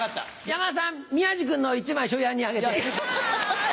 山田さん宮治君の１枚昇也にあげて。